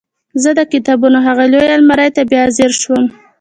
زه د کتابونو هغې لویې المارۍ ته بیا ځیر شوم